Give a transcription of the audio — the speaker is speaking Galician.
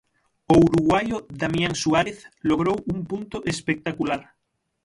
O uruguaio Damián Suárez logrou un punto espectacular.